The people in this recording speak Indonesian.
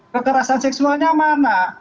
kekerasan seksualnya mana